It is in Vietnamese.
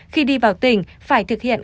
khi đi vào tỉnh phải thực hiện